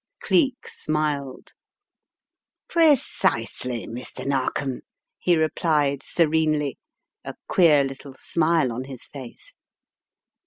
Cleek smiled. "Precisely, Mr. Narkom," he replied, serenely, a queer little smile on his face.